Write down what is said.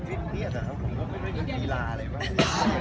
มันจะมีเยอะเกินไป